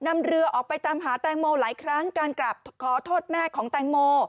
นำเรือออกไปตามหาแตงโมหลายครั้งการกลับขอโทษแม่ของแตงโม